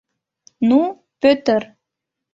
— Ну, Пӧтыр!